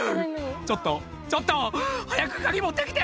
「ちょっとちょっと！早く鍵持って来て」